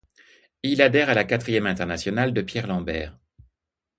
Il adhère à la Quatrième Internationale de Pierre Lambert.